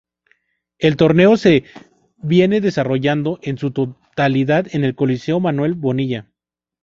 El torneo se viene desarrollando en su totalidad en el Coliseo Manuel Bonilla.